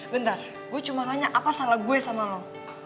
bentar gue cuma nanya apa salah gue sama lo